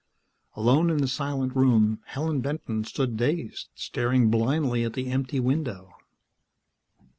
Alone in the silent room, Helen Benton stood dazed, staring blindly at the empty window.